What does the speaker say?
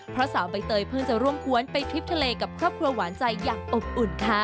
เพราะสาวใบเตยเพิ่งจะร่วมกวนไปทริปทะเลกับครอบครัวหวานใจอย่างอบอุ่นค่ะ